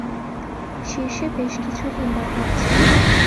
শীর্ষে বেশ কিছু হিমবাহ আছে।